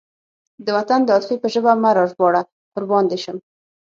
د وطن د عاطفې په ژبه مه راژباړه قربان دې شم.